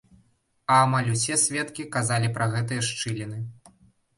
А амаль усе сведкі казалі пра гэтыя шчыліны.